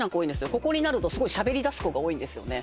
ここになるとすごいしゃべりだす子が多いんですよね